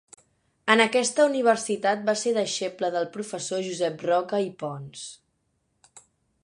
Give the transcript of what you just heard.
En aquesta universitat va ser deixeble del professor Josep Roca i Pons.